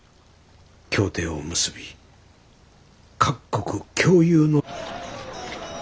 協定を結び各国共有の。